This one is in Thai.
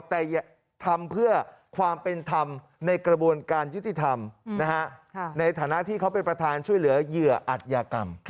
แต่อย่าทำเพื่อความเป็นธรรมในกระบวนการยุติธรรมในฐานะที่เขาเป็นประธานช่วยเหลือเหยื่ออัตยากรรม